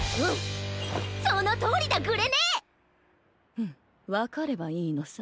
フンわかればいいのさ。